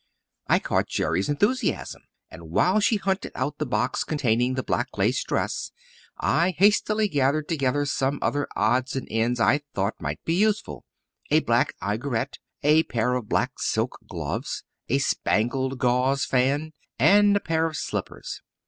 I caught Jerry's enthusiasm, and while she hunted out the box containing the black lace dress, I hastily gathered together some other odds and ends I thought might be useful a black aigrette, a pair of black silk gloves, a spangled gauze fan, and a pair of slippers.